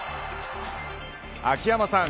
秋山さん